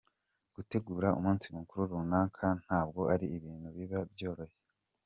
Gutegura umunsi mukuru runaka ntabwo ari ibintu biba byoroshye.